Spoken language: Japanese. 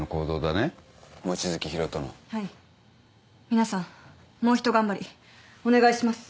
皆さんもうひと頑張りお願いします。